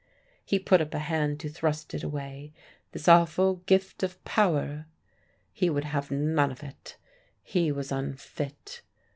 He put up a hand to thrust it away this awful gift of power. He would have none of it; he was unfit.